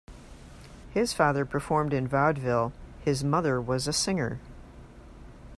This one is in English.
His father performed in vaudeville; his mother was a singer.